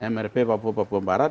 mrp papua pembarat